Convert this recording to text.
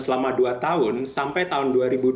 selama dua tahun sampai tahun